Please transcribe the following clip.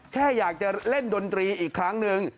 แค่อยากจะเล่นดนตรีอีกครั้งหนึ่ง